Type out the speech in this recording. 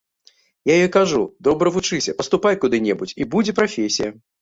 Я ёй кажу, добра вучыся, паступай куды-небудзь, і будзе прафесія.